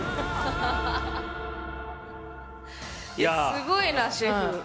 すごいな、シェフ。